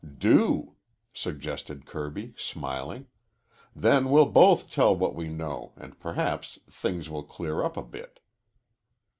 "Do," suggested Kirby, smiling. "Then we'll both tell what we know and perhaps things will clear up a bit."